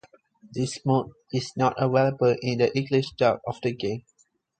This mode is not available in the English dub of the game.